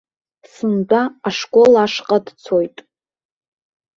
Сынтәа ашкол ашҟа дцоит.